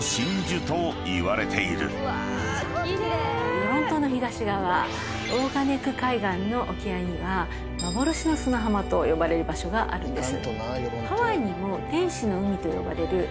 与論島の東側大金久海岸の沖合には。と呼ばれる場所があるんです。